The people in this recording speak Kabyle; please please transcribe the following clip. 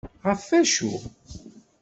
Ɣef acu?